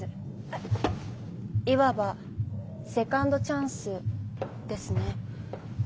いわばセカンドチャンスですね。